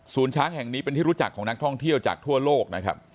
ช้างแห่งนี้เป็นที่รู้จักของนักท่องเที่ยวจากทั่วโลกนะครับ